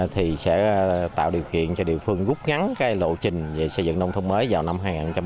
thì sẽ tạo điều kiện cho địa phương gúc ngắn cái lộ trình xây dựng nông thôn mới vào năm hai nghìn một mươi tám